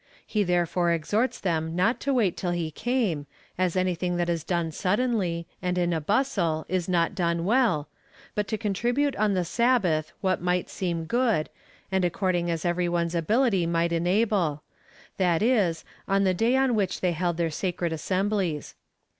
He therefore exhorts them not to wait till he came, as anything that is done suddenly, and in a bustle, is not done well, but to contribute on the Sabbath what might seem good, and according as every one's ability might enable — that is, on the day on which they held their sacred assemblies.